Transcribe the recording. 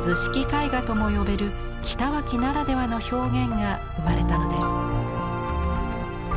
絵画とも呼べる北脇ならではの表現が生まれたのです。